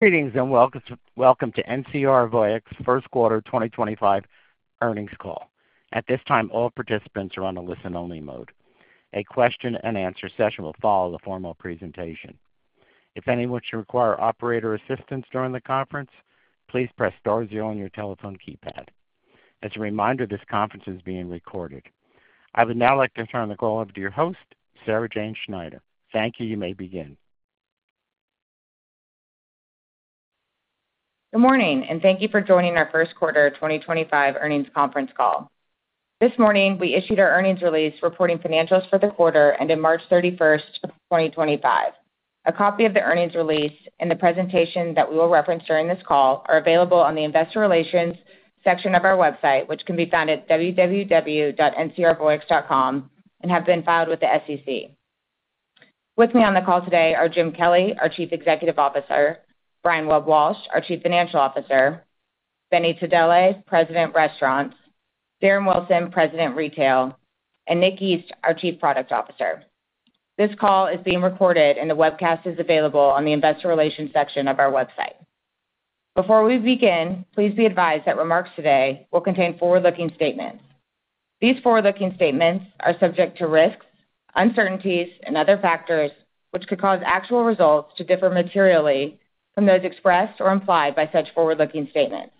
Greetings and welcome to NCR Voyix First Quarter 2025 Earnings call. At this time, all participants are on a listen-only mode. A Q&A session will follow the formal presentation. If any of you require operator assistance during the conference, please press star zero on your telephone keypad. As a reminder, this conference is being recorded. I would now like to turn the call over to your host, Sarah Jane Schneider. Thank you. You may begin. Good morning, and thank you for joining our First Quarter 2025 Earnings conference call. This morning, we issued our earnings release reporting financials for the quarter ended March 31, 2025. A copy of the earnings release and the presentation that we will reference during this call are available on the Investor Relations section of our website, which can be found at www.ncrvoyix.com, and have been filed with the SEC. With me on the call today are Jim Kelly, our Chief Executive Officer; Brian Webb-Walsh, our Chief Financial Officer; Benny Tadele, President Restaurants; Darren Wilson, President Retail; and Nick East, our Chief Product Officer. This call is being recorded, and the webcast is available on the Investor Relations section of our website. Before we begin, please be advised that remarks today will contain forward-looking statements. These forward-looking statements are subject to risks, uncertainties, and other factors which could cause actual results to differ materially from those expressed or implied by such forward-looking statements.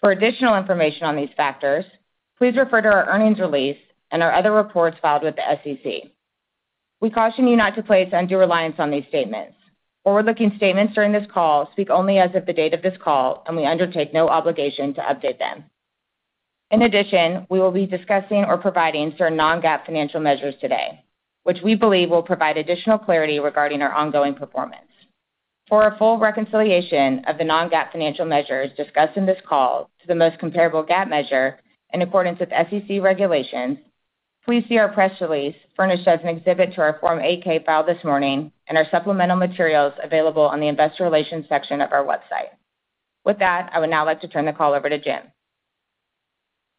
For additional information on these factors, please refer to our earnings release and our other reports filed with the SEC. We caution you not to place undue reliance on these statements. Forward-looking statements during this call speak only as of the date of this call, and we undertake no obligation to update them. In addition, we will be discussing or providing certain non-GAAP financial measures today, which we believe will provide additional clarity regarding our ongoing performance. For a full reconciliation of the non-GAAP financial measures discussed in this call to the most comparable GAAP measure in accordance with SEC regulations, please see our press release furnished as an exhibit to our Form 8-K filed this morning and our supplemental materials available on the Investor Relations section of our website. With that, I would now like to turn the call over to Jim.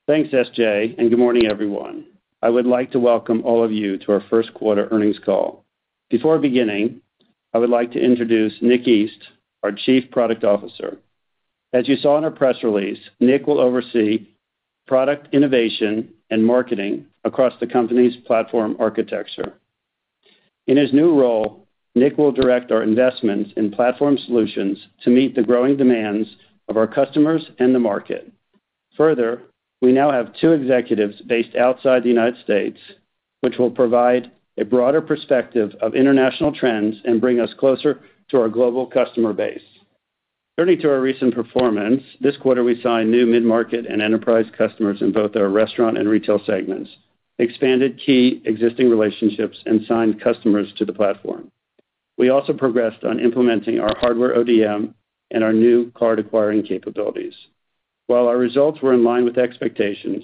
Thanks, SJ, and good morning, everyone. I would like to welcome all of you to our first quarter earnings call. Before beginning, I would like to introduce Nick East, our Chief Product Officer. As you saw in our press release, Nick will oversee product innovation and marketing across the company's platform architecture. In his new role, Nick will direct our investments in platform solutions to meet the growing demands of our customers and the market. Further, we now have two executives based outside the United States, which will provide a broader perspective of international trends and bring us closer to our global customer base. Turning to our recent performance, this quarter we signed new mid-market and enterprise customers in both our restaurant and retail segments, expanded key existing relationships, and signed customers to the platform. We also progressed on implementing our hardware ODM and our new card acquiring capabilities. While our results were in line with expectations,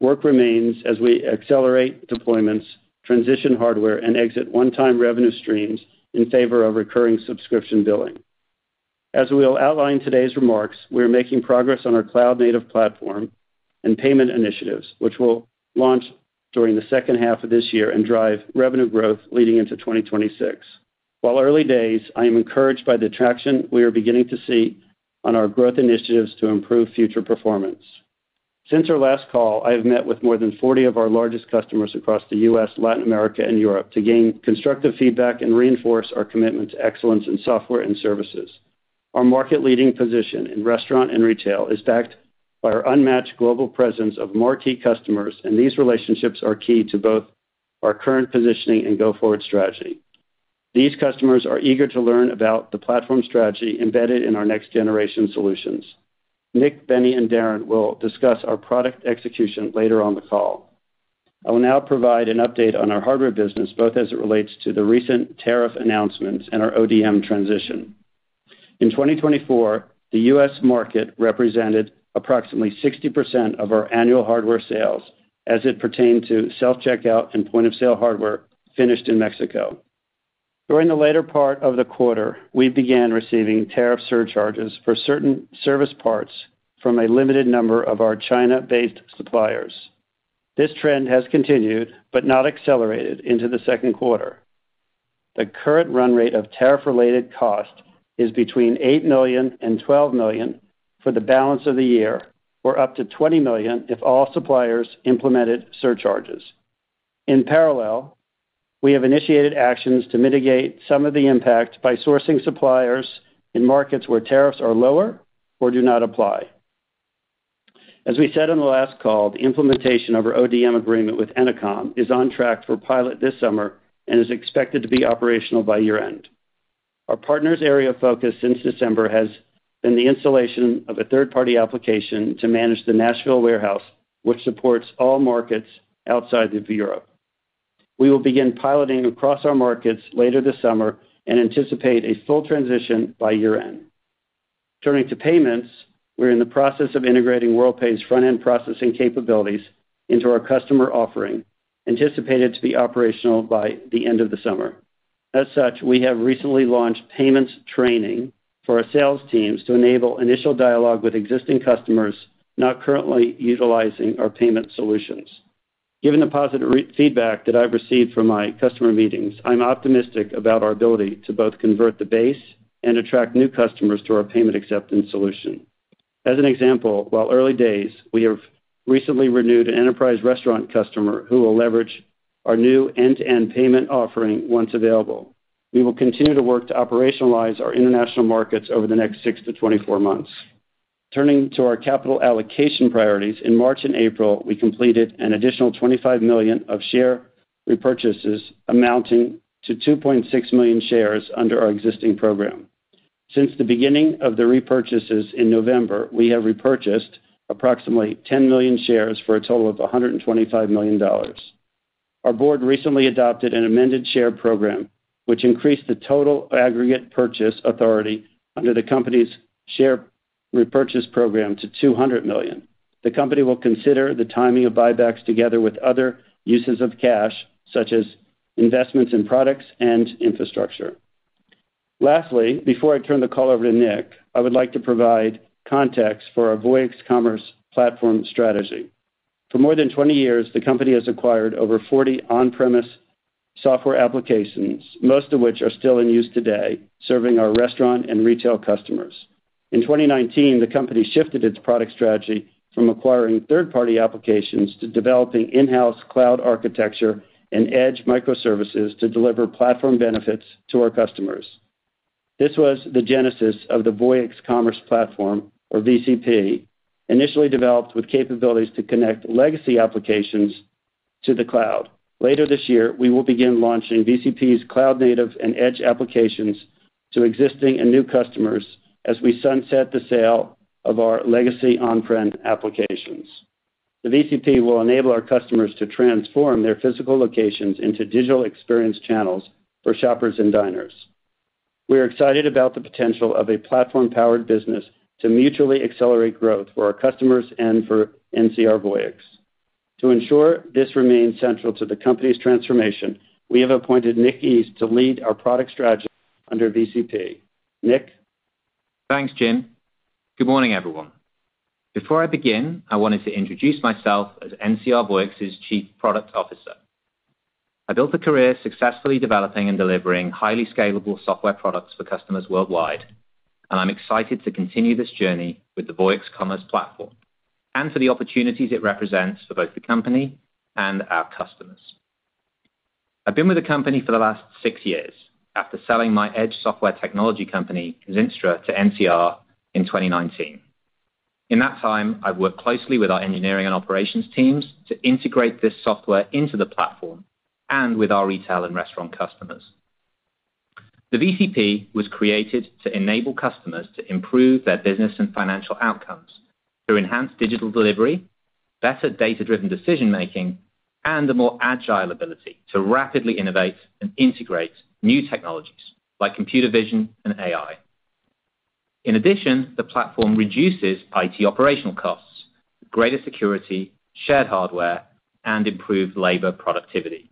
work remains as we accelerate deployments, transition hardware, and exit one-time revenue streams in favor of recurring subscription billing. As we will outline in today's remarks, we are making progress on our cloud-native platform and payment initiatives, which will launch during the second half of this year and drive revenue growth leading into 2026. While early days, I am encouraged by the traction we are beginning to see on our growth initiatives to improve future performance. Since our last call, I have met with more than 40 of our largest customers across the U.S., Latin America, and Europe to gain constructive feedback and reinforce our commitment to excellence in software and services. Our market-leading position in restaurant and retail is backed by our unmatched global presence of marquee customers, and these relationships are key to both our current positioning and go forward strategy. These customers are eager to learn about the platform strategy embedded in our next-generation solutions. Nick, Benny, and Darren will discuss our product execution later on the call. I will now provide an update on our hardware business, both as it relates to the recent tariff announcements and our ODM transition. In 2024, the U.S. market represented approximately 60% of our annual hardware sales as it pertained to self-checkout and point-of-sale hardware finished in Mexico. During the later part of the quarter, we began receiving tariff surcharges for certain service parts from a limited number of our China-based suppliers. This trend has continued but not accelerated into the second quarter. The current run rate of tariff-related cost is between $8 million and $12 million for the balance of the year, or up to $20 million if all suppliers implemented surcharges. In parallel, we have initiated actions to mitigate some of the impact by sourcing suppliers in markets where tariffs are lower or do not apply. As we said on the last call, the implementation of our ODM agreement with Enercom is on track for pilot this summer and is expected to be operational by year-end. Our partner's area of focus since December has been the installation of a third-party application to manage the Nashville warehouse, which supports all markets outside of Europe. We will begin piloting across our markets later this summer and anticipate a full transition by year-end. Turning to payments, we're in the process of integrating Worldpay's front-end processing capabilities into our customer offering, anticipated to be operational by the end of the summer. As such, we have recently launched payments training for our sales teams to enable initial dialogue with existing customers not currently utilizing our payment solutions. Given the positive feedback that I've received from my customer meetings, I'm optimistic about our ability to both convert the base and attract new customers to our payment acceptance solution. As an example, while early days, we have recently renewed an enterprise restaurant customer who will leverage our new end-to-end payment offering once available. We will continue to work to operationalize our international markets over the next 6-24 months. Turning to our capital allocation priorities, in March and April, we completed an additional $25 million of share repurchases amounting to 2.6 million shares under our existing program. Since the beginning of the repurchases in November, we have repurchased approximately 10 million shares for a total of $125 million. Our board recently adopted an amended share program, which increased the total aggregate purchase authority under the company's share repurchase program to $200 million. The company will consider the timing of buybacks together with other uses of cash, such as investments in products and infrastructure. Lastly, before I turn the call over to Nick, I would like to provide context for our Voyix Commerce platform strategy. For more than 20 years, the company has acquired over 40 on-premise software applications, most of which are still in use today, serving our restaurant and retail customers. In 2019, the company shifted its product strategy from acquiring third-party applications to developing in-house cloud architecture and edge microservices to deliver platform benefits to our customers. This was the genesis of the Voyix Commerce platform, or VCP, initially developed with capabilities to connect legacy applications to the cloud. Later this year, we will begin launching VCP's cloud-native and edge applications to existing and new customers as we sunset the sale of our legacy on-prem applications. The VCP will enable our customers to transform their physical locations into digital experience channels for shoppers and diners. We are excited about the potential of a platform-powered business to mutually accelerate growth for our customers and for NCR Voyix. To ensure this remains central to the company's transformation, we have appointed Nick East to lead our product strategy under VCP. Nick. Thanks, Jim. Good morning, everyone. Before I begin, I wanted to introduce myself as NCR Voyix's Chief Product Officer. I built a career successfully developing and delivering highly scalable software products for customers worldwide, and I'm excited to continue this journey with the Voyix Commerce Platform and for the opportunities it represents for both the company and our customers. I've been with the company for the last six years after selling my edge software technology company, Zinstra, to NCR in 2019. In that time, I've worked closely with our engineering and operations teams to integrate this software into the platform and with our retail and restaurant customers. The VCP was created to enable customers to improve their business and financial outcomes through enhanced digital delivery, better data-driven decision-making, and a more agile ability to rapidly innovate and integrate new technologies like computer vision and AI. In addition, the platform reduces IT operational costs, greater security, shared hardware, and improved labor productivity.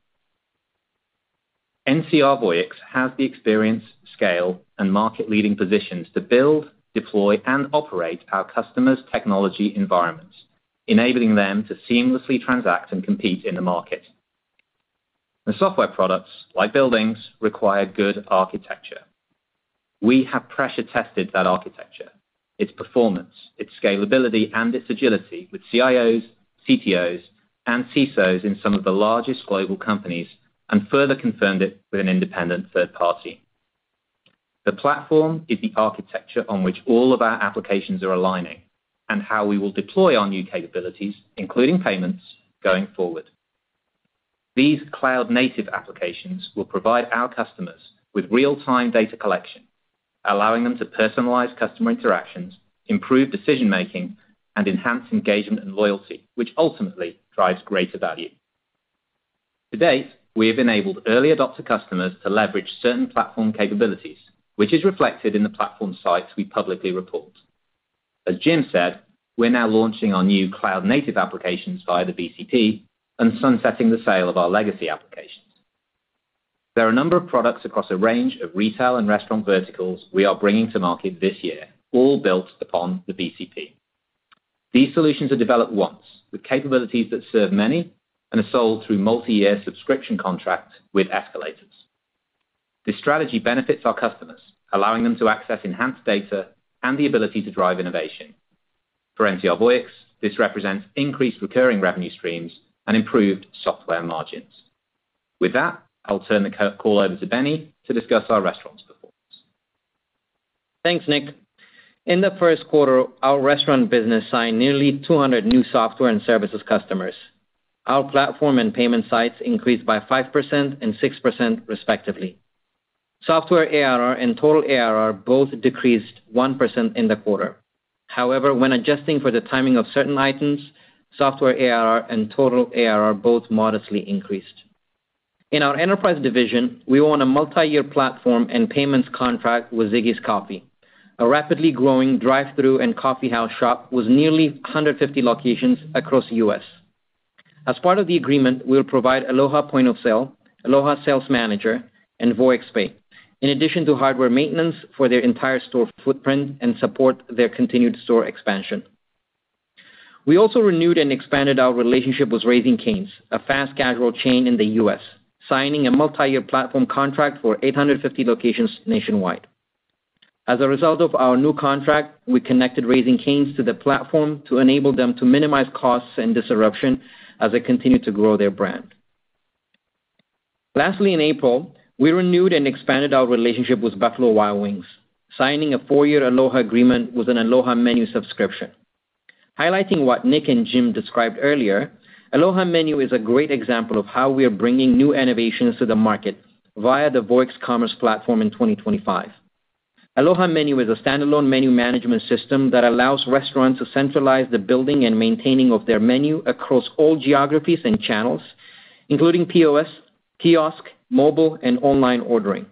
NCR Voyix has the experience, scale, and market-leading positions to build, deploy, and operate our customers' technology environments, enabling them to seamlessly transact and compete in the market. The software products, like buildings, require good architecture. We have pressure-tested that architecture, its performance, its scalability, and its agility with CIOs, CTOs, and CISOs in some of the largest global companies and further confirmed it with an independent third party. The platform is the architecture on which all of our applications are aligning and how we will deploy our new capabilities, including payments, going forward. These cloud-native applications will provide our customers with real-time data collection, allowing them to personalize customer interactions, improve decision-making, and enhance engagement and loyalty, which ultimately drives greater value. To date, we have enabled early adopter customers to leverage certain platform capabilities, which is reflected in the platform sites we publicly report. As Jim said, we're now launching our new cloud-native applications via the VCP and sunsetting the sale of our legacy applications. There are a number of products across a range of retail and restaurant verticals we are bringing to market this year, all built upon the VCP. These solutions are developed once with capabilities that serve many and are sold through multi-year subscription contracts with escalators. This strategy benefits our customers, allowing them to access enhanced data and the ability to drive innovation. For NCR Voyix, this represents increased recurring revenue streams and improved software margins. With that, I'll turn the call over to Benny to discuss our restaurant's performance. Thanks, Nick. In the first quarter, our restaurant business signed nearly 200 new software and services customers. Our platform and payment sites increased by 5% and 6%, respectively. Software ARR and total ARR both decreased 1% in the quarter. However, when adjusting for the timing of certain items, software ARR and total ARR both modestly increased. In our enterprise division, we won a multi-year platform and payments contract with Ziggy's Coffee, a rapidly growing drive-thru and coffeehouse shop with nearly 150 locations across the US. As part of the agreement, we'll provide Aloha Point of Sale, Aloha Sales Manager, and Voyix Pay, in addition to hardware maintenance for their entire store footprint and support their continued store expansion. We also renewed and expanded our relationship with Raising Cane's, a fast casual chain in the US, signing a multi-year platform contract for 850 locations nationwide. As a result of our new contract, we connected Raising Cane's to the platform to enable them to minimize costs and disruption as they continue to grow their brand. Lastly, in April, we renewed and expanded our relationship with Buffalo Wild Wings, signing a four-year Aloha agreement with an Aloha Menu subscription. Highlighting what Nick and Jim described earlier, Aloha Menu is a great example of how we are bringing new innovations to the market via the Voyix Commerce Platform in 2025. Aloha Menu is a standalone menu management system that allows restaurants to centralize the building and maintaining of their menu across all geographies and channels, including POS, kiosk, mobile, and online ordering.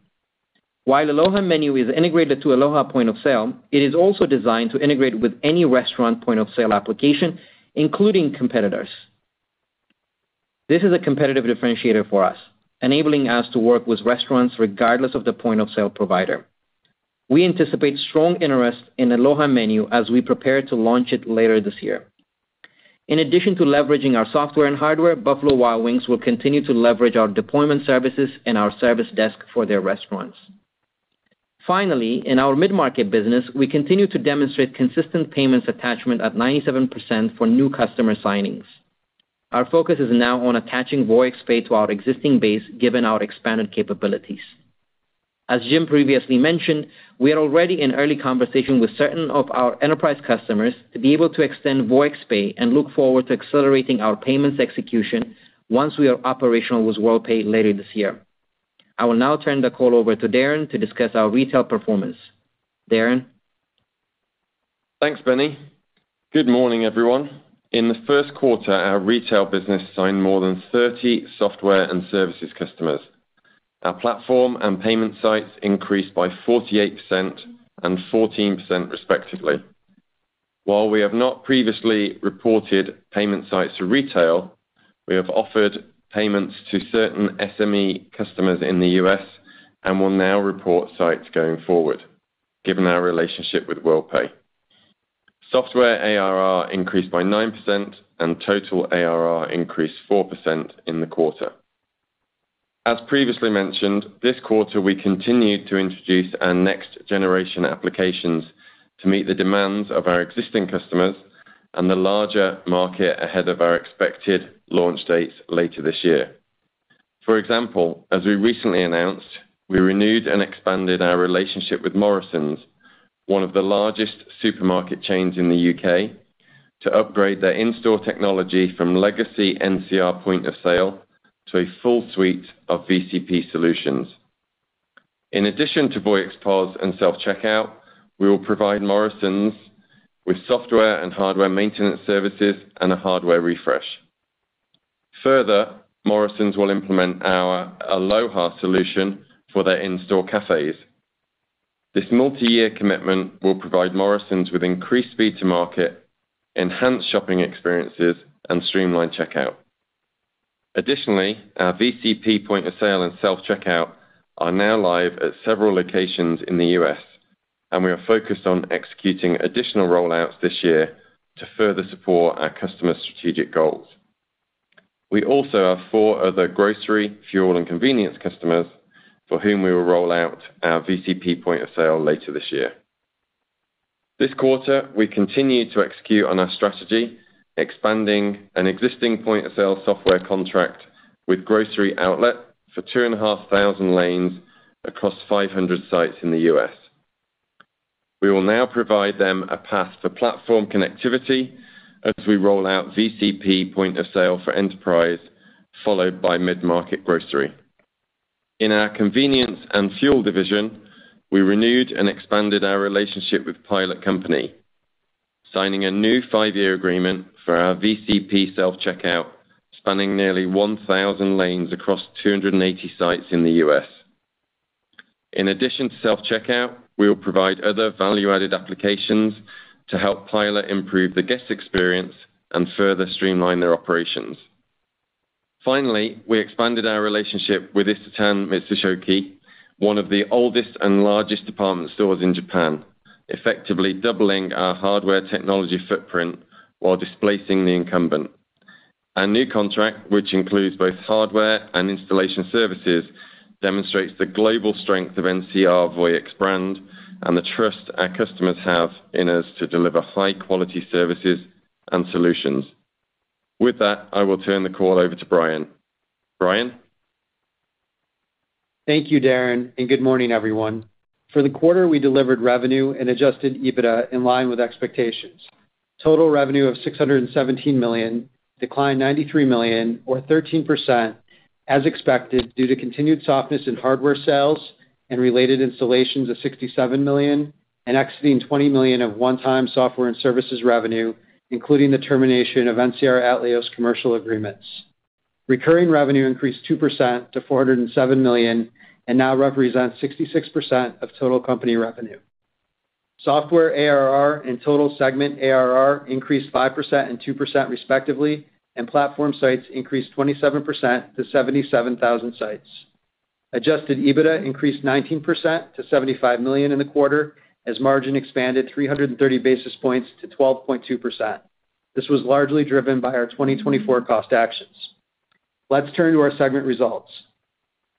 While Aloha Menu is integrated to Aloha Point of Sale, it is also designed to integrate with any restaurant point of sale application, including competitors. This is a competitive differentiator for us, enabling us to work with restaurants regardless of the point of sale provider. We anticipate strong interest in Aloha Menu as we prepare to launch it later this year. In addition to leveraging our software and hardware, Buffalo Wild Wings will continue to leverage our deployment services and our service desk for their restaurants. Finally, in our mid-market business, we continue to demonstrate consistent payments attachment at 97% for new customer signings. Our focus is now on attaching Voyix Pay to our existing base, given our expanded capabilities. As Jim previously mentioned, we are already in early conversation with certain of our enterprise customers to be able to extend Voyix Pay and look forward to accelerating our payments execution once we are operational with Worldpay later this year. I will now turn the call over to Darren to discuss our retail performance. Darren. Thanks, Benny. Good morning, everyone. In the first quarter, our retail business signed more than 30 software and services customers. Our platform and payment sites increased by 48% and 14%, respectively. While we have not previously reported payment sites to retail, we have offered payments to certain SME customers in the US and will now report sites going forward, given our relationship with Worldpay. Software ARR increased by 9% and total ARR increased 4% in the quarter. As previously mentioned, this quarter, we continued to introduce our next-generation applications to meet the demands of our existing customers and the larger market ahead of our expected launch dates later this year. For example, as we recently announced, we renewed and expanded our relationship with Morrisons, one of the largest supermarket chains in the U.K., to upgrade their in-store technology from legacy NCR Point of Sale to a full suite of VCP solutions. In addition to Voyix POS and self-checkout, we will provide Morrisons with software and hardware maintenance services and a hardware refresh. Further, Morrisons will implement our Aloha solution for their in-store cafes. This multi-year commitment will provide Morrisons with increased speed to market, enhanced shopping experiences, and streamlined checkout. Additionally, our VCP Point of Sale and self-checkout are now live at several locations in the U.S., and we are focused on executing additional rollouts this year to further support our customer strategic goals. We also have four other grocery, fuel, and convenience customers for whom we will roll out our VCP Point of Sale later this year. This quarter, we continue to execute on our strategy, expanding an existing point of sale software contract with Grocery Outlet for 2,500 lanes across 500 sites in the US. We will now provide them a path for platform connectivity as we roll out VCP point of sale for enterprise, followed by mid-market grocery. In our convenience and fuel division, we renewed and expanded our relationship with Pilot Company, signing a new five-year agreement for our VCP self-checkout, spanning nearly 1,000 lanes across 280 sites in the US. In addition to self-checkout, we will provide other value-added applications to help Pilot improve the guest experience and further streamline their operations. Finally, we expanded our relationship with Isetan Mitsukoshi, one of the oldest and largest department stores in Japan, effectively doubling our hardware technology footprint while displacing the incumbent. Our new contract, which includes both hardware and installation services, demonstrates the global strength of NCR Voyix brand and the trust our customers have in us to deliver high-quality services and solutions. With that, I will turn the call over to Brian. Brian. Thank you, Darren, and good morning, everyone. For the quarter, we delivered revenue and adjusted EBITDA in line with expectations. Total revenue of $617 million declined $93 million, or 13%, as expected due to continued softness in hardware sales and related installations of $67 million and exceeding $20 million of one-time software and services revenue, including the termination of NCR Atleos commercial agreements. Recurring revenue increased 2% to $407 million and now represents 66% of total company revenue. Software ARR and total segment ARR increased 5% and 2%, respectively, and platform sites increased 27% to 77,000 sites. Adjusted EBITDA increased 19% to $75 million in the quarter as margin expanded 330 basis points to 12.2%. This was largely driven by our 2024 cost actions. Let's turn to our segment results.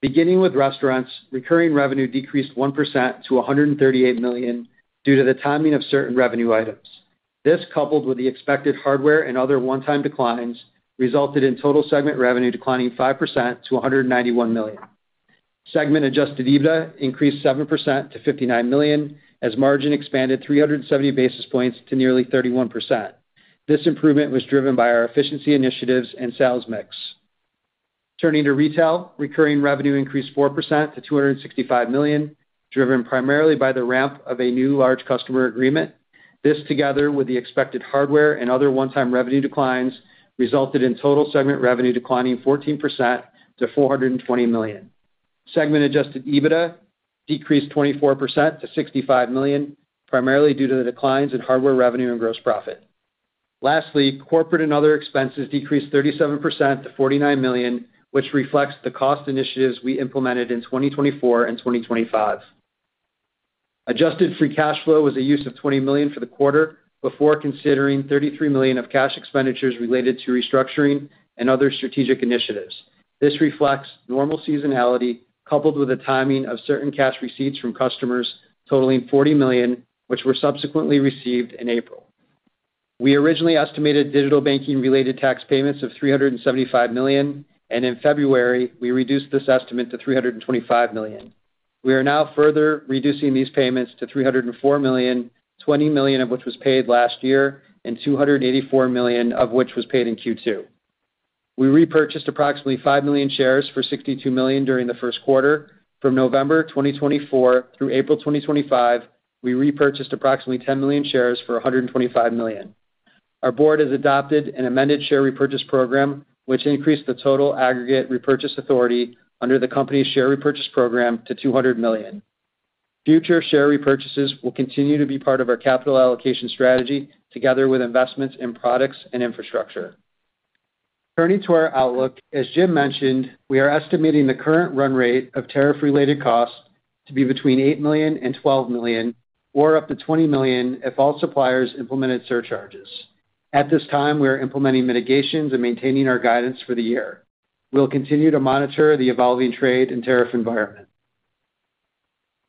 Beginning with restaurants, recurring revenue decreased 1% to $138 million due to the timing of certain revenue items. This, coupled with the expected hardware and other one-time declines, resulted in total segment revenue declining 5% to $191 million. Segment-adjusted EBITDA increased 7% to $59 million as margin expanded 370 basis points to nearly 31%. This improvement was driven by our efficiency initiatives and sales mix. Turning to retail, recurring revenue increased 4% to $265 million, driven primarily by the ramp of a new large customer agreement. This, together with the expected hardware and other one-time revenue declines, resulted in total segment revenue declining 14% to $420 million. Segment-adjusted EBITDA decreased 24% to $65 million, primarily due to the declines in hardware revenue and gross profit. Lastly, corporate and other expenses decreased 37% to $49 million, which reflects the cost initiatives we implemented in 2024 and 2025. Adjusted free cash flow was a use of $20 million for the quarter before considering $33 million of cash expenditures related to restructuring and other strategic initiatives. This reflects normal seasonality coupled with the timing of certain cash receipts from customers totaling $40 million, which were subsequently received in April. We originally estimated digital banking-related tax payments of $375 million, and in February, we reduced this estimate to $325 million. We are now further reducing these payments to $304 million, $20 million of which was paid last year and $284 million of which was paid in Q2. We repurchased approximately 5 million shares for $62 million during the first quarter. From November 2024 through April 2025, we repurchased approximately 10 million shares for $125 million. Our board has adopted an amended share repurchase program, which increased the total aggregate repurchase authority under the company's share repurchase program to $200 million. Future share repurchases will continue to be part of our capital allocation strategy together with investments in products and infrastructure. Turning to our outlook, as Jim mentioned, we are estimating the current run rate of tariff-related costs to be between $8 million and $12 million, or up to $20 million if all suppliers implemented surcharges. At this time, we are implementing mitigations and maintaining our guidance for the year. We'll continue to monitor the evolving trade and tariff environment.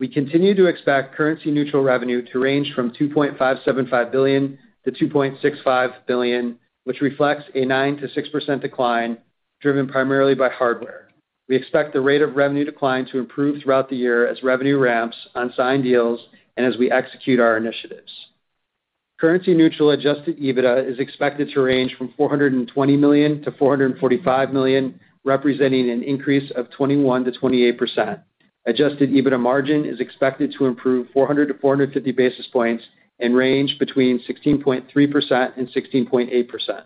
We continue to expect currency-neutral revenue to range from $2.575 billion-$2.65 billion, which reflects a 9%-6% decline driven primarily by hardware. We expect the rate of revenue decline to improve throughout the year as revenue ramps on signed deals and as we execute our initiatives. Currency-neutral adjusted EBITDA is expected to range from $420 million-$445 million, representing an increase of 21%-28%. Adjusted EBITDA margin is expected to improve 400 to 450 basis points and range between 16.3% and 16.8%.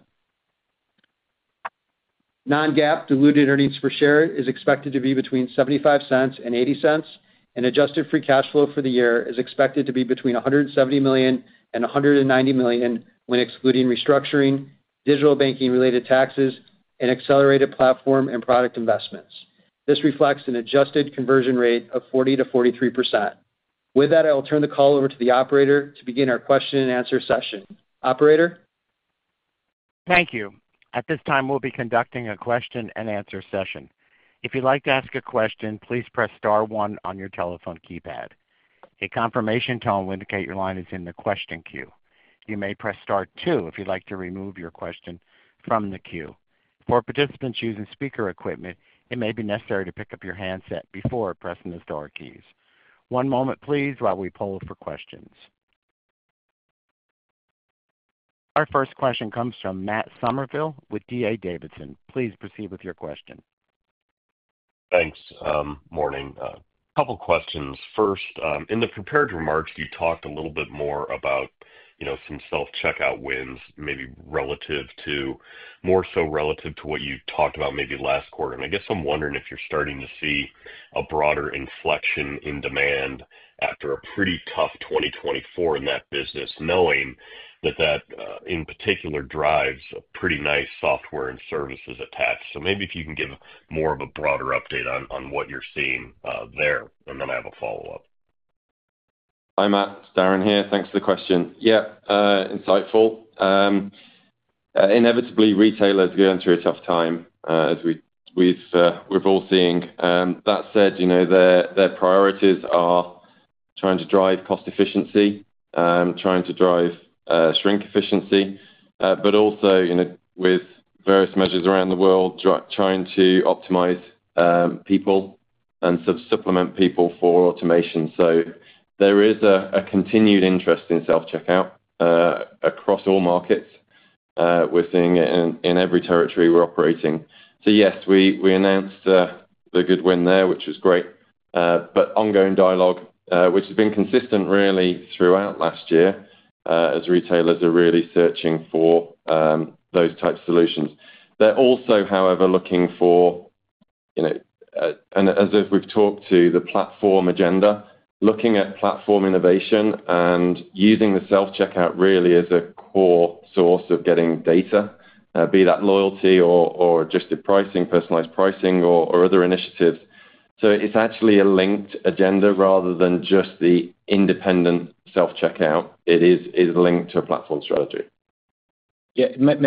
Non-GAAP diluted earnings per share is expected to be between $0.75 and $0.80, and adjusted free cash flow for the year is expected to be between $170 million and $190 million when excluding restructuring, digital banking-related taxes, and accelerated platform and product investments. This reflects an adjusted conversion rate of 40% to 43%. With that, I will turn the call over to the operator to begin our Q&A session. Operator. Thank you. At this time, we'll be conducting a Q&A session. If you'd like to ask a question, please press star one on your telephone keypad. A confirmation tone will indicate your line is in the question queue. You may press star two if you'd like to remove your question from the queue. For participants using speaker equipment, it may be necessary to pick up your handset before pressing the star keys. One moment, please, while we poll for questions. Our first question comes from Matt Summerville with DA Davidson. Please proceed with your question. Thanks. Morning. A couple of questions. First, in the prepared remarks, you talked a little bit more about some self-checkout wins, maybe more so relative to what you talked about maybe last quarter. I guess I'm wondering if you're starting to see a broader inflection in demand after a pretty tough 2024 in that business, knowing that that, in particular, drives pretty nice software and services attached. Maybe if you can give more of a broader update on what you're seeing there, and then I have a follow-up. Hi, Matt. Darren here. Thanks for the question. Yeah, insightful. Inevitably, retailers are going through a tough time, as we've all seen. That said, their priorities are trying to drive cost efficiency, trying to drive shrink efficiency, but also with various measures around the world, trying to optimize people and supplement people for automation. There is a continued interest in self-checkout across all markets. We're seeing it in every territory we're operating. Yes, we announced the good win there, which was great, but ongoing dialogue, which has been consistent really throughout last year as retailers are really searching for those types of solutions. They're also, however, looking for, and as if we've talked to the platform agenda, looking at platform innovation and using the self-checkout really as a core source of getting data, be that loyalty or adjusted pricing, personalized pricing, or other initiatives. It's actually a linked agenda rather than just the independent Self-Checkout. It is linked to a platform strategy. Yeah. Matt,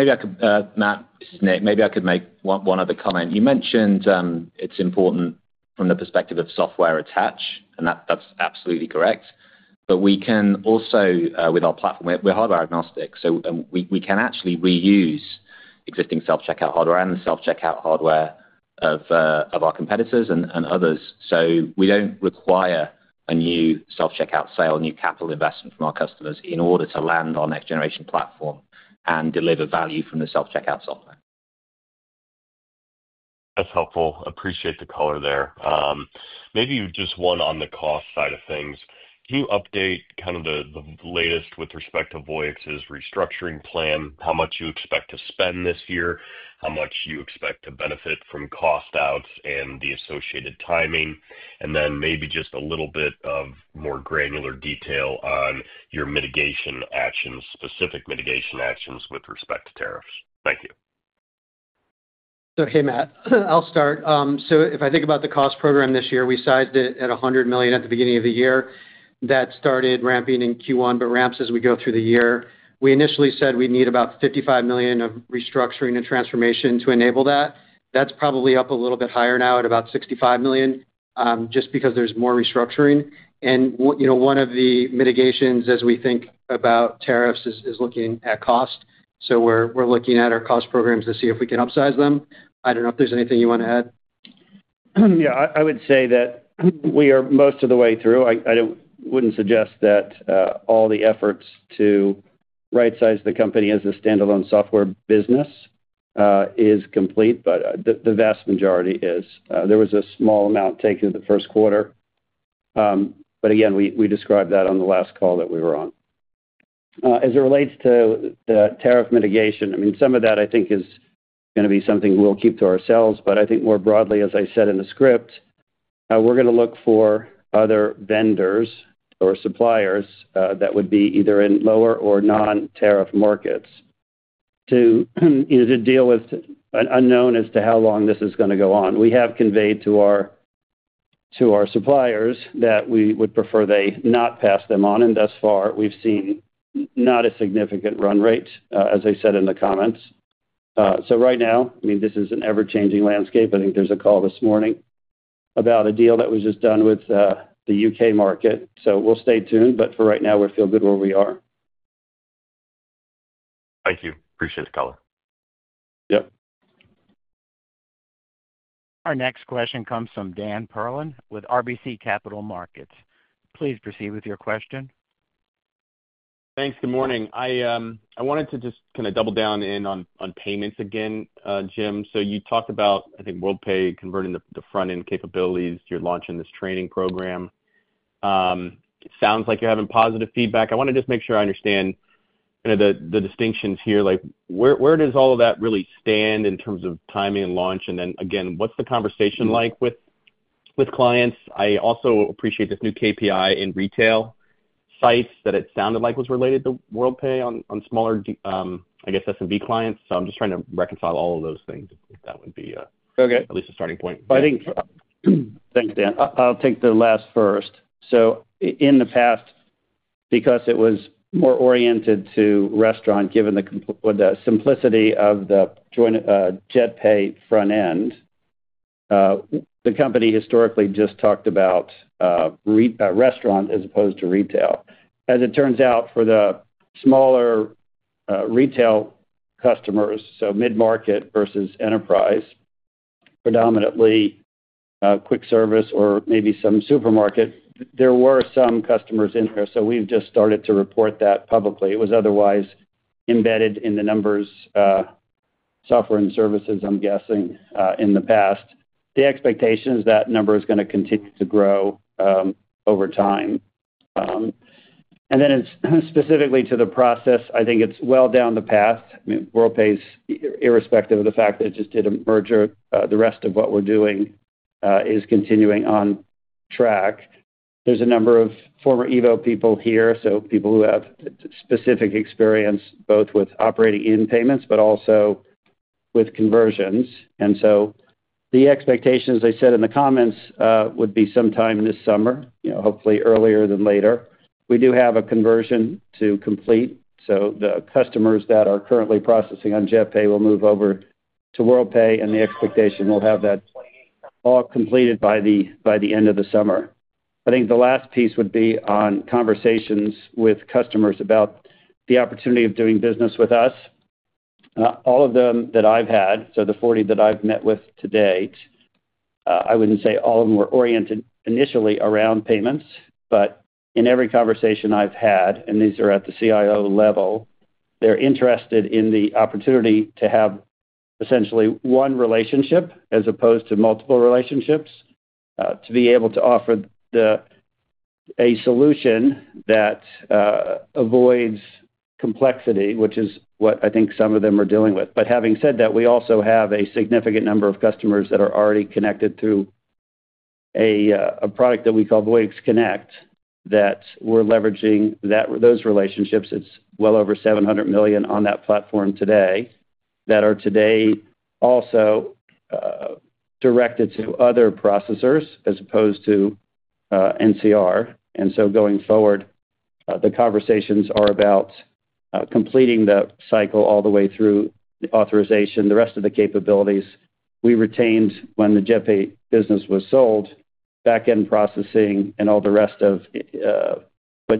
this is Nick. Maybe I could make one other comment. You mentioned it's important from the perspective of software attach, and that's absolutely correct. We can also, with our platform, we're hardware agnostic, so we can actually reuse existing self-checkout hardware and the self-checkout hardware of our competitors and others. We don't require a new self-checkout sale, new capital investment from our customers in order to land our next-generation platform and deliver value from the self-checkout software. That's helpful. Appreciate the color there. Maybe just one on the cost side of things. Can you update kind of the latest with respect to Voyix's restructuring plan, how much you expect to spend this year, how much you expect to benefit from cost outs and the associated timing, and then maybe just a little bit of more granular detail on your specific mitigation actions with respect to tariffs? Thank you. Hey, Matt. I'll start. If I think about the cost program this year, we sized it at $100 million at the beginning of the year. That started ramping in Q1, but ramps as we go through the year. We initially said we'd need about $55 million of restructuring and transformation to enable that. That's probably up a little bit higher now at about $65 million just because there's more restructuring. One of the mitigations as we think about tariffs is looking at cost. We're looking at our cost programs to see if we can upsize them. I don't know if there's anything you want to add. Yeah. I would say that we are most of the way through. I would not suggest that all the efforts to right-size the company as a standalone software business is complete, but the vast majority is. There was a small amount taken in the first quarter. Again, we described that on the last call that we were on. As it relates to the tariff mitigation, I mean, some of that I think is going to be something we'll keep to ourselves, but I think more broadly, as I said in the script, we're going to look for other vendors or suppliers that would be either in lower or non-tariff markets to deal with an unknown as to how long this is going to go on. We have conveyed to our suppliers that we would prefer they not pass them on, and thus far, we've seen not a significant run rate, as I said in the comments. Right now, I mean, this is an ever-changing landscape. I think there's a call this morning about a deal that was just done with the U.K. market. We will stay tuned, but for right now, we feel good where we are. Thank you. Appreciate the color. Yep. Our next question comes from Dan Perlin with RBC Capital Markets. Please proceed with your question. Thanks. Good morning. I wanted to just kind of double down in on payments again, Jim. You talked about, I think, Worldpay converting the front-end capabilities. You're launching this training program. Sounds like you're having positive feedback. I want to just make sure I understand kind of the distinctions here. Where does all of that really stand in terms of timing and launch? Then again, what's the conversation like with clients? I also appreciate this new KPI in retail sites that it sounded like was related to Worldpay on smaller, I guess, SMB clients. I'm just trying to reconcile all of those things. That would be at least a starting point. Thanks, Dan. I'll take the last first. In the past, because it was more oriented to restaurant, given the simplicity of the JetPay front-end, the company historically just talked about restaurant as opposed to retail. As it turns out, for the smaller retail customers, so mid-market versus enterprise, predominantly quick service or maybe some supermarket, there were some customers in here. We've just started to report that publicly. It was otherwise embedded in the numbers, software and services, I'm guessing, in the past. The expectation is that number is going to continue to grow over time. Then specifically to the process, I think it's well down the path. I mean, Worldpay's, irrespective of the fact that it just did a merger, the rest of what we're doing is continuing on track. There's a number of former EVO people here, so people who have specific experience both with operating in payments but also with conversions. The expectations, as I said in the comments, would be sometime this summer, hopefully earlier than later. We do have a conversion to complete. The customers that are currently processing on JetPay will move over to Worldpay, and the expectation is we'll have that all completed by the end of the summer. I think the last piece would be on conversations with customers about the opportunity of doing business with us. All of them that I've had, so the 40 that I've met with to date, I wouldn't say all of them were oriented initially around payments, but in every conversation I've had, and these are at the CIO level, they're interested in the opportunity to have essentially one relationship as opposed to multiple relationships, to be able to offer a solution that avoids complexity, which is what I think some of them are dealing with. Having said that, we also have a significant number of customers that are already connected through a product that we call Voyix Connect that we're leveraging those relationships. It's well over $700 million on that platform today that are today also directed to other processors as opposed to NCR. Going forward, the conversations are about completing the cycle all the way through authorization, the rest of the capabilities we retained when the JetPay business was sold, back-end processing, and all the rest of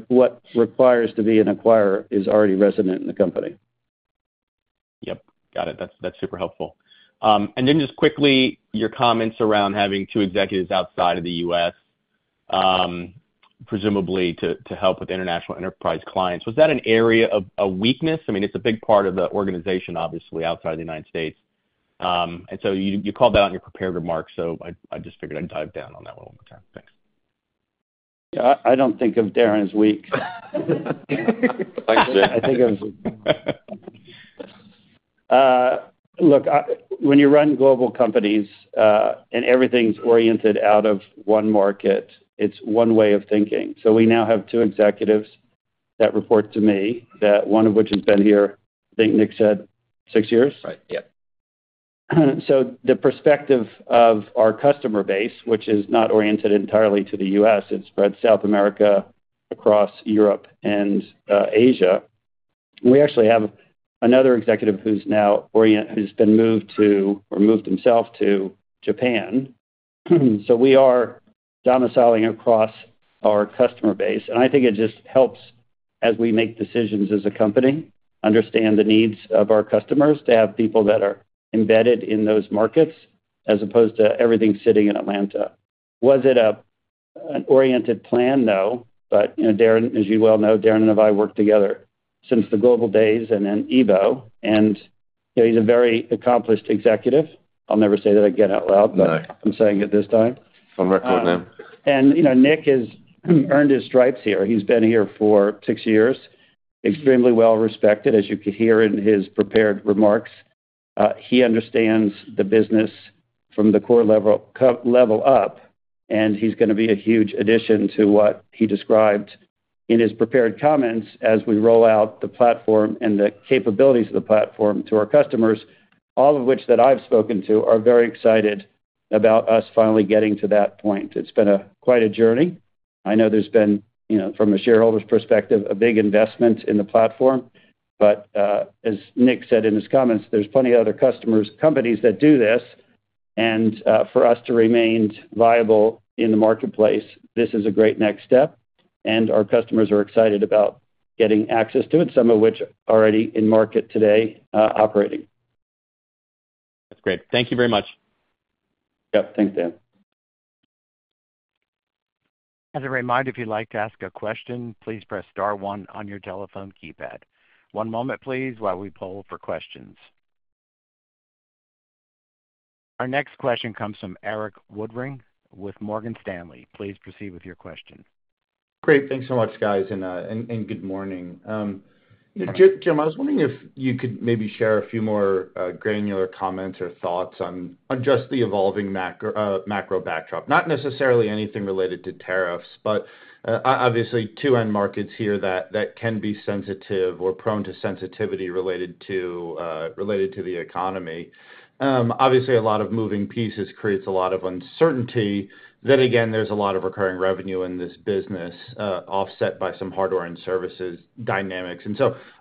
what requires to be an acquirer is already resident in the company. Yep. Got it. That's super helpful. And then just quickly, your comments around having two executives outside of the U.S., presumably to help with international enterprise clients, was that an area of weakness? I mean, it's a big part of the organization, obviously, outside of the United States. And so you called that out in your prepared remarks, so I just figured I'd dive down on that one one more time. Thanks. Yeah. I don't think of Darren as weak. Thanks, Jim. I think of him as weak. Look, when you run global companies and everything's oriented out of one market, it's one way of thinking. So we now have two executives that report to me, one of which has been here, I think Nick said, six years. Right. Yep. The perspective of our customer base, which is not oriented entirely to the US, it's spread South America, across Europe, and Asia. We actually have another executive who's been moved to or moved himself to Japan. We are domiciling across our customer base. I think it just helps as we make decisions as a company, understand the needs of our customers to have people that are embedded in those markets as opposed to everything sitting in Atlanta. Was it an oriented plan, though? As you well know, Darren and I worked together since the global days and then EVO. He's a very accomplished executive. I'll never say that again out loud, but I'm saying it this time. On record, man. Nick has earned his stripes here. He's been here for six years, extremely well respected, as you could hear in his prepared remarks. He understands the business from the core level up, and he's going to be a huge addition to what he described in his prepared comments as we roll out the platform and the capabilities of the platform to our customers, all of which that I've spoken to are very excited about us finally getting to that point. It's been quite a journey. I know there's been, from a shareholder's perspective, a big investment in the platform. As Nick said in his comments, there's plenty of other customers, companies that do this. For us to remain viable in the marketplace, this is a great next step. Our customers are excited about getting access to it, some of which are already in market today operating. That's great. Thank you very much. Yep. Thanks, Dan. As a reminder, if you'd like to ask a question, please press star one on your telephone keypad. One moment, please, while we poll for questions. Our next question comes from Erik Woodring with Morgan Stanley. Please proceed with your question. Great. Thanks so much, guys. Good morning. Jim, I was wondering if you could maybe share a few more granular comments or thoughts on just the evolving macro backdrop, not necessarily anything related to tariffs, but obviously two end markets here that can be sensitive or prone to sensitivity related to the economy. Obviously, a lot of moving pieces creates a lot of uncertainty. There is a lot of recurring revenue in this business offset by some hardware and services dynamics.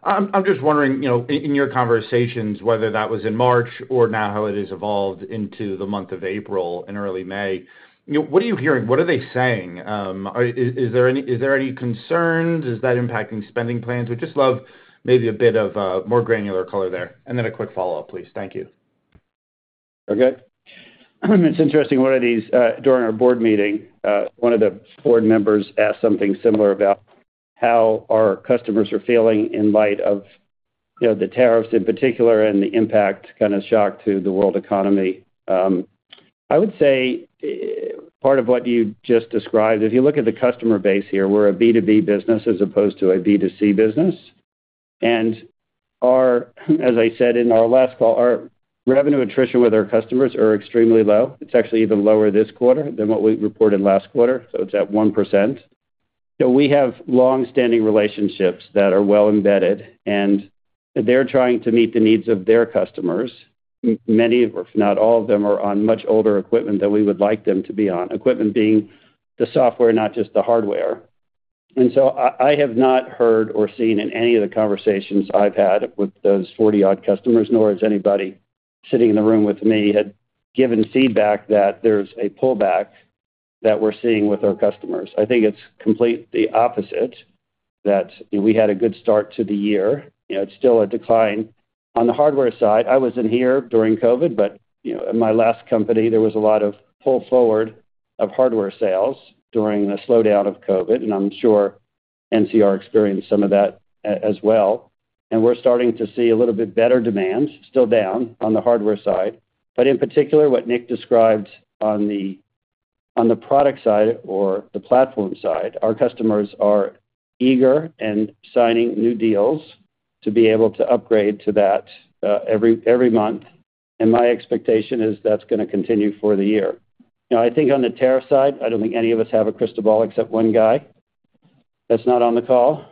I am just wondering in your conversations whether that was in March or now how it has evolved into the month of April and early May. What are you hearing? What are they saying? Is there any concerns? Is that impacting spending plans? I would just love maybe a bit of more granular color there. A quick follow-up, please. Thank you. Okay. It's interesting. During our board meeting, one of the board members asked something similar about how our customers are feeling in light of the tariffs in particular and the impact kind of shock to the world economy. I would say part of what you just described, if you look at the customer base here, we're a B2B business as opposed to a B2C business. As I said in our last call, our revenue attrition with our customers is extremely low. It's actually even lower this quarter than what we reported last quarter. It's at 1%. We have long-standing relationships that are well embedded, and they're trying to meet the needs of their customers. Many, if not all of them, are on much older equipment than we would like them to be on, equipment being the software, not just the hardware. I have not heard or seen in any of the conversations I've had with those 40-odd customers, nor has anybody sitting in the room with me given feedback that there's a pullback that we're seeing with our customers. I think it's completely the opposite that we had a good start to the year. It's still a decline. On the hardware side, I was not here during COVID, but in my last company, there was a lot of pull forward of hardware sales during the slowdown of COVID. I'm sure NCR experienced some of that as well. We're starting to see a little bit better demand, still down on the hardware side. In particular, what Nick described on the product side or the platform side, our customers are eager and signing new deals to be able to upgrade to that every month. My expectation is that's going to continue for the year. I think on the tariff side, I don't think any of us have a crystal ball except one guy that's not on the call.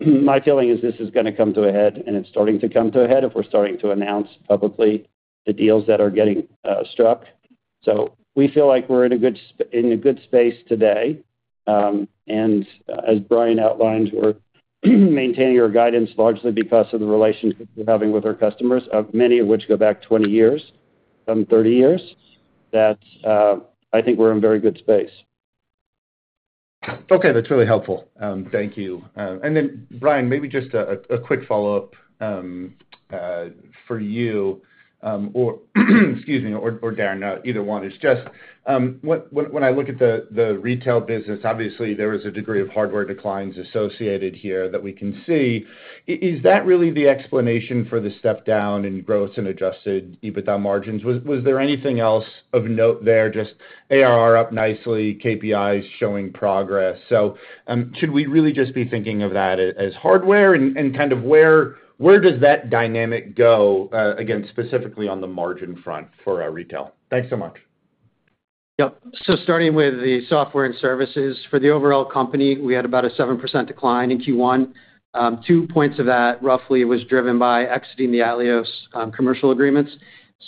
My feeling is this is going to come to a head, and it's starting to come to a head if we're starting to announce publicly the deals that are getting struck. We feel like we're in a good space today. As Brian outlined, we're maintaining our guidance largely because of the relationship we're having with our customers, many of which go back 20 years, some 30 years, that I think we're in very good space. Okay. That's really helpful. Thank you. And then, Brian, maybe just a quick follow-up for you, or excuse me, or Darren, either one. It's just when I look at the retail business, obviously, there is a degree of hardware declines associated here that we can see. Is that really the explanation for the step down in growth and adjusted EBITDA margins? Was there anything else of note there, just ARR up nicely, KPIs showing progress? Should we really just be thinking of that as hardware? And kind of where does that dynamic go again, specifically on the margin front for our retail? Thanks so much. Yep. Starting with the software and services, for the overall company, we had about a 7% decline in Q1. Two points of that roughly was driven by exiting the Atleos commercial agreements.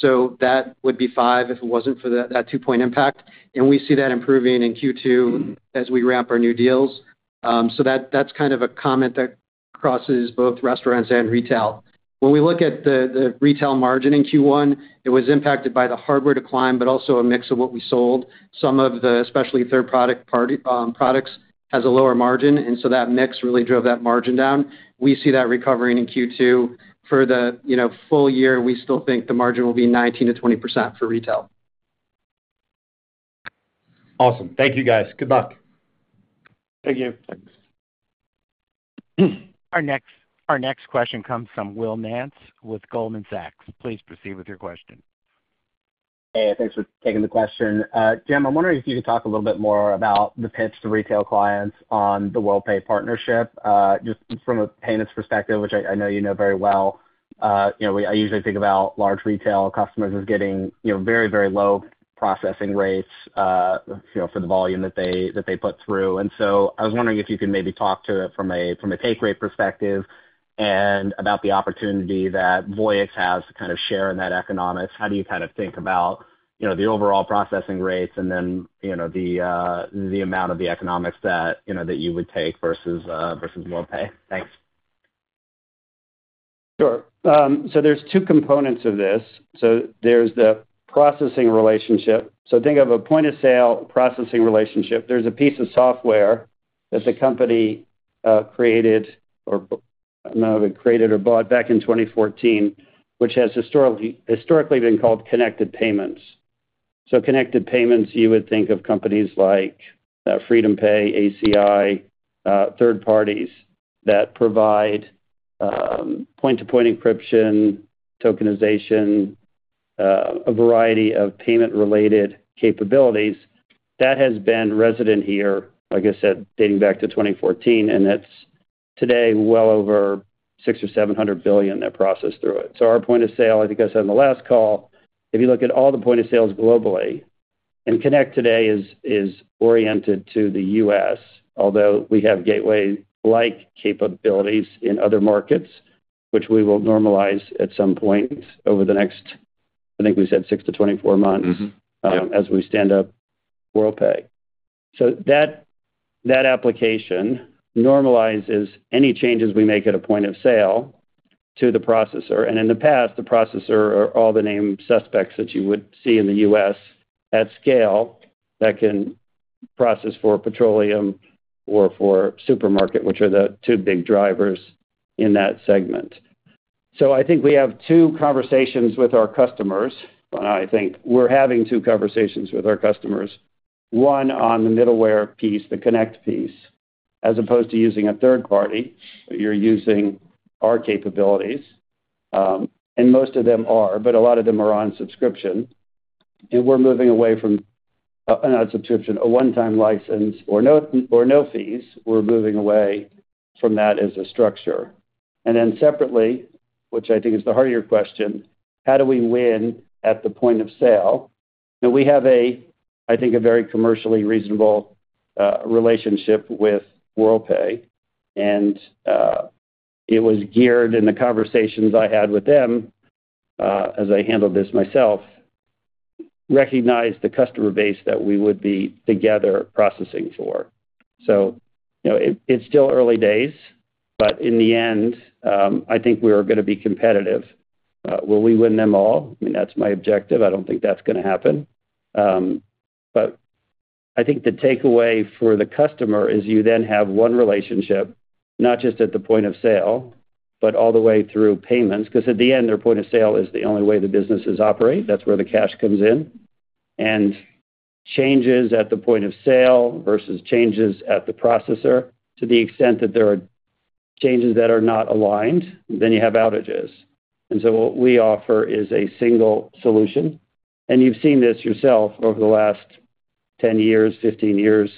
That would be five if it was not for that two-point impact. We see that improving in Q2 as we ramp our new deals. That is kind of a comment that crosses both restaurants and retail. When we look at the retail margin in Q1, it was impacted by the hardware decline, but also a mix of what we sold. Some of the specialty third-party products has a lower margin. That mix really drove that margin down. We see that recovering in Q2. For the full year, we still think the margin will be 19-20% for retail. Awesome. Thank you, guys. Good luck. Thank you. Thanks. Our next question comes from Will Nance with Goldman Sachs. Please proceed with your question. Hey, thanks for taking the question. Jim, I'm wondering if you could talk a little bit more about the pitch to retail clients on the Worldpay partnership, just from a payments perspective, which I know you know very well. I usually think about large retail customers as getting very, very low processing rates for the volume that they put through. I was wondering if you could maybe talk to it from a pay grade perspective and about the opportunity that Voyix has to kind of share in that economics. How do you kind of think about the overall processing rates and then the amount of the economics that you would take versus Worldpay? Thanks. Sure. There are two components of this. There is the processing relationship. Think of a point-of-sale processing relationship. There is a piece of software that the company created, or I do not know if it created or bought back in 2014, which has historically been called Connected Payments. Connected Payments, you would think of companies like Freedom Pay, ACI, third parties that provide point-to-point encryption, tokenization, a variety of payment-related capabilities. That has been resident here, like I said, dating back to 2014, and it is today well over $600 billion or $700 billion that process through it. Our point of sale, like I said in the last call, if you look at all the point of sales globally, and Connect today is oriented to the US, although we have gateway-like capabilities in other markets, which we will normalize at some point over the next, I think we said 6-24 months as we stand up Worldpay. That application normalizes any changes we make at a point of sale to the processor. In the past, the processors are all the named suspects that you would see in the US at scale that can process for petroleum or for supermarket, which are the two big drivers in that segment. I think we have two conversations with our customers. I think we're having two conversations with our customers, one on the middleware piece, the Connect piece, as opposed to using a third party. You're using our capabilities. Most of them are, but a lot of them are on subscription. We're moving away from a subscription, a one-time license or no fees. We're moving away from that as a structure. Separately, which I think is the heart of your question, how do we win at the point of sale? We have, I think, a very commercially reasonable relationship with Worldpay. It was geared in the conversations I had with them as I handled this myself, recognized the customer base that we would be together processing for. It's still early days, but in the end, I think we are going to be competitive. Will we win them all? I mean, that's my objective. I don't think that's going to happen. I think the takeaway for the customer is you then have one relationship, not just at the point of sale, but all the way through payments. Because at the end, their point of sale is the only way the businesses operate. That's where the cash comes in. Changes at the point of sale versus changes at the processor, to the extent that there are changes that are not aligned, then you have outages. What we offer is a single solution. You've seen this yourself over the last 10 years, 15 years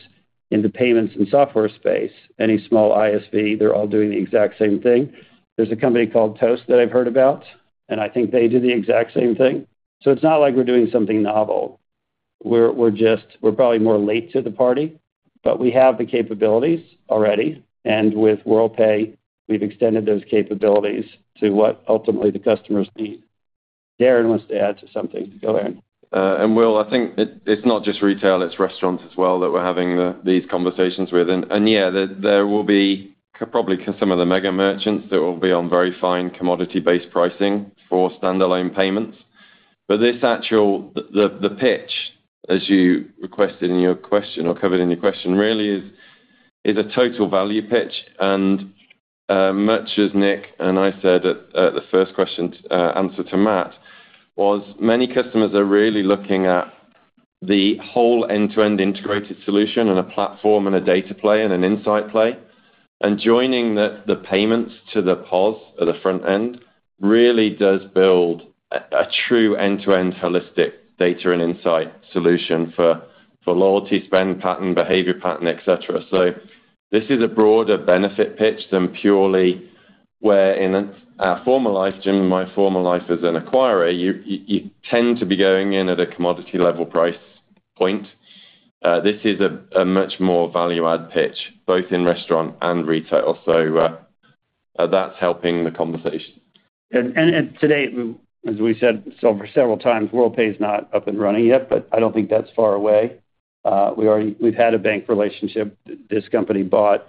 in the payments and software space. Any small ISV, they're all doing the exact same thing. There's a company called Toast that I've heard about, and I think they do the exact same thing. It's not like we're doing something novel. We're probably more late to the party, but we have the capabilities already. With Worldpay, we've extended those capabilities to what ultimately the customers need. Darren wants to add to something. Go ahead. Will, I think it's not just retail, it's restaurants as well that we're having these conversations with. Yeah, there will be probably some of the mega merchants that will be on very fine commodity-based pricing for standalone payments. The pitch, as you requested in your question or covered in your question, really is a total value pitch. Much as Nick and I said at the first question answer to Matt, many customers are really looking at the whole end-to-end integrated solution and a platform and a data play and an insight play. Joining the payments to the POS at the front end really does build a true end-to-end holistic data and insight solution for loyalty spend pattern, behavior pattern, etc. This is a broader benefit pitch than purely where in our formal life, Jim, in my formal life as an acquirer, you tend to be going in at a commodity-level price point. This is a much more value-add pitch, both in restaurant and retail. That is helping the conversation. Today, as we said several times, Worldpay is not up and running yet, but I do not think that is far away. We have had a bank relationship. This company bought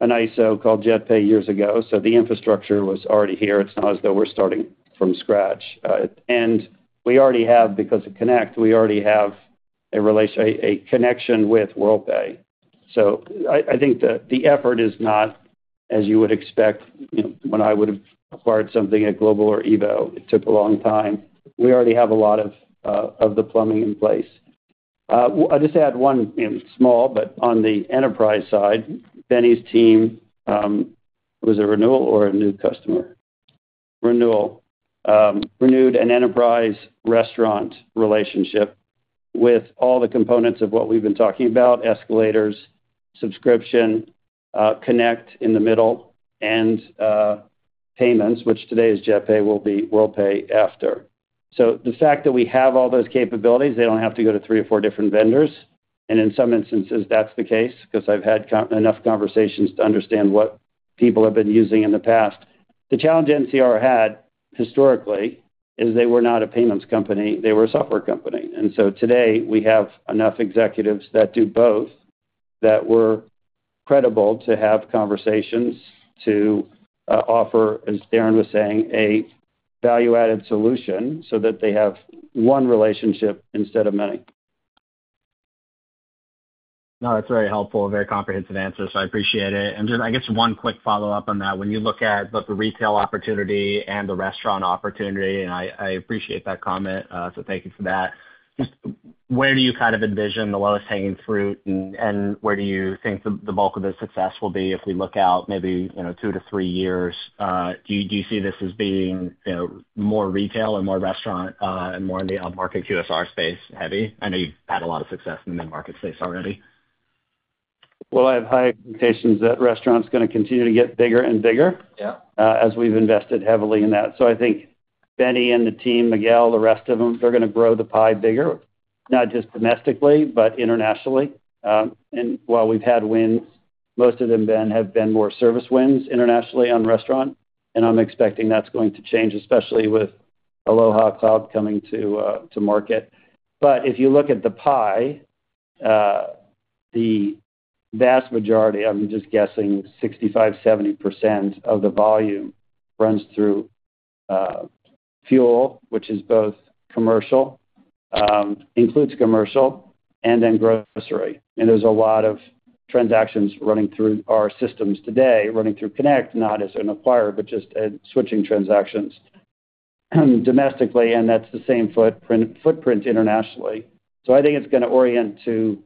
an ISO called JetPay years ago. The infrastructure was already here. It is not as though we are starting from scratch. We already have, because of Connect, a connection with Worldpay. I think the effort is not, as you would expect, when I would have acquired something at Global or EVO, it took a long time. We already have a lot of the plumbing in place. I will just add one small, but on the enterprise side, Benny's team was a renewal or a new customer? Renewal. Renewed an enterprise restaurant relationship with all the components of what we have been talking about: escalators, subscription, Connect in the middle, and payments, which today is JetPay, will be Worldpay after. The fact that we have all those capabilities, they don't have to go to three or four different vendors. In some instances, that's the case because I've had enough conversations to understand what people have been using in the past. The challenge NCR had historically is they were not a payments company. They were a software company. Today, we have enough executives that do both that were credible to have conversations to offer, as Darren was saying, a value-added solution so that they have one relationship instead of many. No, that's very helpful, a very comprehensive answer. I appreciate it. I guess one quick follow-up on that. When you look at both the retail opportunity and the restaurant opportunity, and I appreciate that comment, thank you for that. Just where do you kind of envision the lowest hanging fruit, and where do you think the bulk of the success will be if we look out maybe two to three years? Do you see this as being more retail and more restaurant and more in the upmarket QSR space heavy? I know you've had a lot of success in the mid-market space already. I have high expectations that restaurant's going to continue to get bigger and bigger as we've invested heavily in that. I think Benny and the team, Miguel, the rest of them, they're going to grow the pie bigger, not just domestically, but internationally. While we've had wins, most of them have been more service wins internationally on restaurant. I'm expecting that's going to change, especially with Aloha Cloud coming to market. If you look at the pie, the vast majority, I'm just guessing 65-70% of the volume runs through Fuel, which is both commercial, includes commercial, and then grocery. There's a lot of transactions running through our systems today, running through Connect, not as an acquirer, but just switching transactions domestically. That's the same footprint internationally. I think it's going to orient to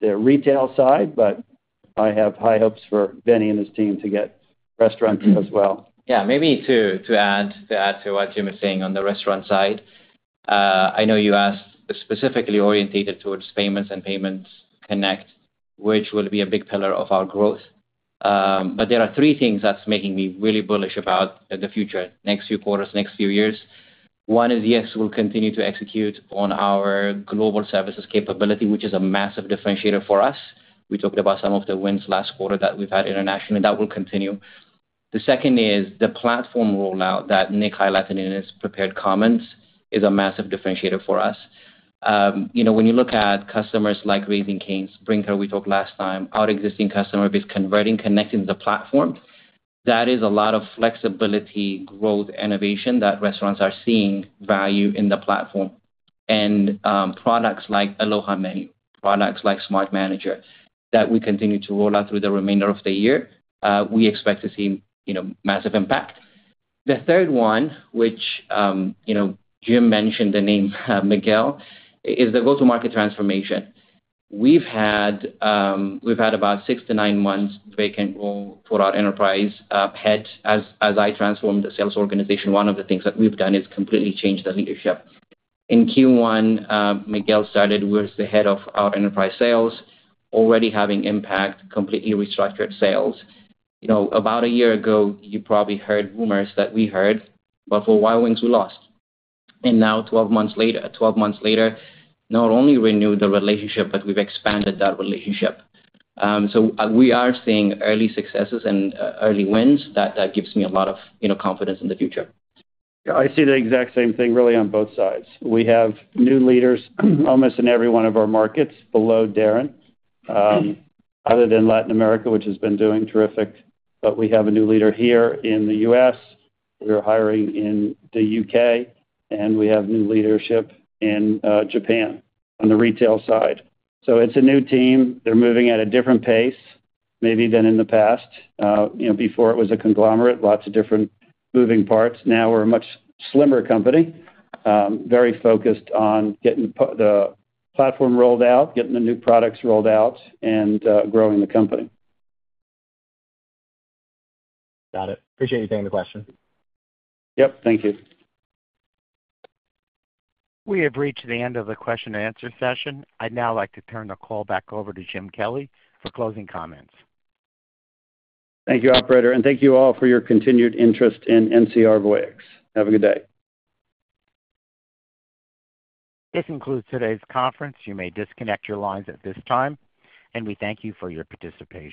the retail side, but I have high hopes for Benny and his team to get restaurants as well. Yeah. Maybe to add to what Jim is saying on the restaurant side, I know you asked specifically orientated towards payments and payments Connect, which will be a big pillar of our growth. There are three things that's making me really bullish about the future, next few quarters, next few years. One is, yes, we'll continue to execute on our global services capability, which is a massive differentiator for us. We talked about some of the wins last quarter that we've had internationally. That will continue. The second is the platform rollout that Nick highlighted in his prepared comments is a massive differentiator for us. When you look at customers like Raising Cane's, Brinker, we talked last time, our existing customer base converting, connecting the platform, that is a lot of flexibility, growth, innovation that restaurants are seeing value in the platform. Products like Aloha Menu, products like Smart Manager that we continue to roll out through the remainder of the year, we expect to see massive impact. The third one, which Jim mentioned the name, Miguel, is the go-to-market transformation. We've had about six to nine months vacant role for our enterprise head as I transformed the sales organization. One of the things that we've done is completely changed the leadership. In Q1, Miguel started with the head of our enterprise sales, already having impact, completely restructured sales. About a year ago, you probably heard rumors that we heard, but for Wild Wings, we lost. Now, 12 months later, not only renewed the relationship, but we've expanded that relationship. We are seeing early successes and early wins. That gives me a lot of confidence in the future. I see the exact same thing really on both sides. We have new leaders almost in every one of our markets below Darren other than Latin America, which has been doing terrific. We have a new leader here in the U.S. We're hiring in the U.K., and we have new leadership in Japan on the retail side. It is a new team. They're moving at a different pace maybe than in the past. Before it was a conglomerate, lots of different moving parts. Now we're a much slimmer company, very focused on getting the platform rolled out, getting the new products rolled out, and growing the company. Got it. Appreciate you taking the question. Yep. Thank you. We have reached the end of the question-and-answer session. I'd now like to turn the call back over to Jim Kelly for closing comments. Thank you, operator. Thank you all for your continued interest in NCR Voyix. Have a good day. This concludes today's conference. You may disconnect your lines at this time. We thank you for your participation.